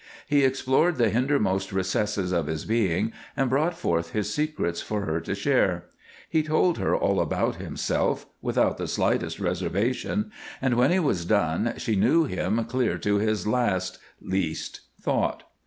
He explored the hindermost recesses of his being, and brought forth his secrets for her to share. He told her all about himself, without the slightest reservation, and when he was done she knew him clear to his last, least thought.